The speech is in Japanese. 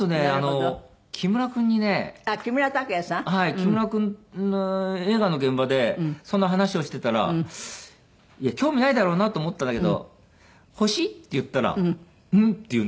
木村君映画の現場でその話をしてたら興味ないだろうなと思ったんだけど「欲しい？」って言ったら「うん」って言うんですよ。